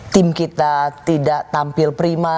tim kita tidak tampil prima